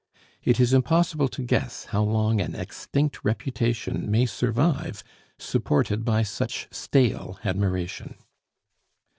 It is impossible to guess how long an extinct reputation may survive, supported by such stale admiration.